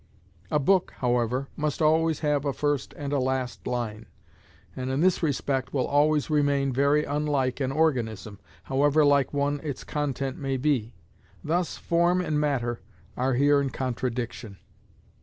A book, however, must always have a first and a last line, and in this respect will always remain very unlike an organism, however like one its content may be: thus form and matter are here in contradiction.